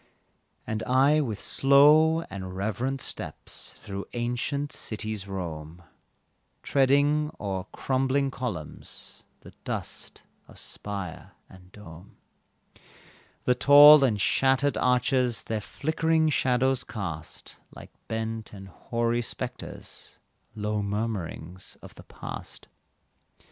And I with slow and reverent steps Through ancient cities roam, Treading o'er crumbling columns, The dust of spire and dome; The tall and shattered arches Their flickering shadows cast, Like bent and hoary spectres, Low murmuring of the past.